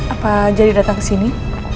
apa jadi datang ke sini